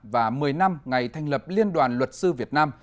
và một mươi năm ngày thành lập liên đoàn luật sư việt nam